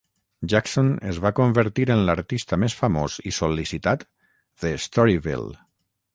Jackson es va convertir en l'artista més famós i sol·licitat de Storyville.